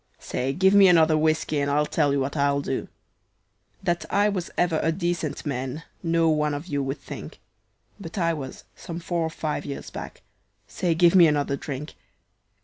Say! Give me another whiskey, and I'll tell what I'll do That I was ever a decent man not one of you would think; But I was, some four or five years back. Say, give me another drink.